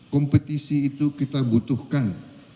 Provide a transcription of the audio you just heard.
kompetisi itu kita butuhkan